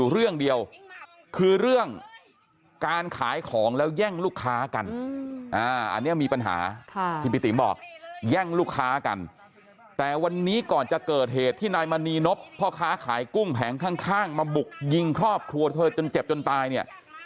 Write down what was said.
เรื่องเดียวคือเรื่องการขายของแล้วแย่งลูกค้ากันอันนี้มีปัญหาที่พี่ติบอกแย่งลูกค้ากันแต่วันนี้ก่อนจะเกิดเหตุที่นายมณีนบพ่อค้าขายกุ้งแผงข้างมาบุกยิงครอบครัวเธอจนเจ็บจนตายเนี่ย